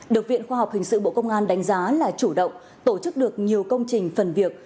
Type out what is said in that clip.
được viện khoa học hình sự bộ công an đánh giá là chủ động tổ chức được nhiều công trình phần việc